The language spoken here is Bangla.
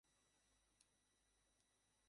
আমি এখানেই অপেক্ষা করব।